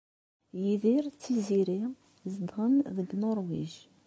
Yidir d Tiziri zedɣen deg Nuṛwij.